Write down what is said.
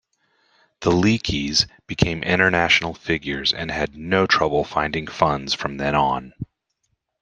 The Leakeys became international figures and had no trouble finding funds from then on.